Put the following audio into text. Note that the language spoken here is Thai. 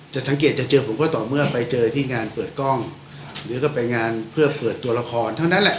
สังเกตจะเจอผมก็ต่อเมื่อไปเจอที่งานเปิดกล้องหรือก็ไปงานเพื่อเปิดตัวละครเท่านั้นแหละ